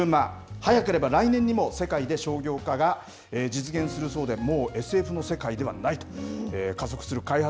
早ければ来年にも世界で商業化が実現するそうで、もうＳＦの世界ではないと加速する開発